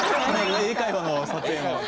英会話の撮影の。